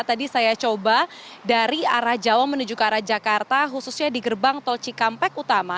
tadi saya coba dari arah jawa menuju ke arah jakarta khususnya di gerbang tol cikampek utama